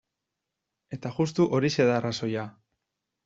Eta justu horixe da arazoa.